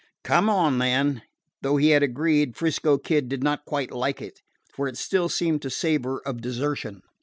"Come on, then." Though he had agreed, 'Frisco Kid did not quite like it, for it still seemed to savor of desertion.